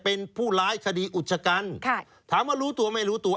เป็นผู้ร้ายคดีอุชกันค่ะถามว่ารู้ตัวไม่รู้ตัว